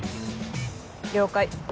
了解。